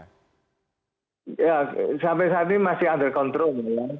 ya sampai saat ini masih under control ya